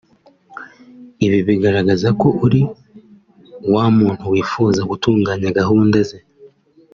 Ibi bigaragaza ko uri wa muntu wifuza gutunganya gahunda ze